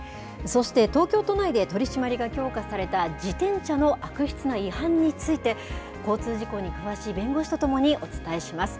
そして東京都内で取締りが強化された自転車の悪質な違反について、交通事故に詳しい弁護士とともにお伝えします。